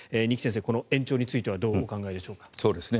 二木先生、この延長についてはどうお考えでしょうか？